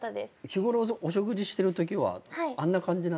日ごろお食事してるときはあんな感じなんですか？